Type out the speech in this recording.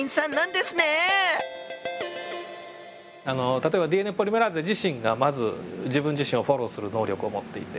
例えばＤＮＡポリメラーゼ自身がまず自分自身をフォローする能力を持っていて。